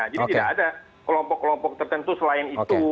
jadi tidak ada kelompok kelompok tertentu selain itu